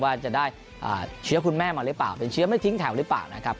ว่าจะได้เชื้อคุณแม่มาหรือเปล่าเป็นเชื้อไม่ทิ้งแถวหรือเปล่านะครับ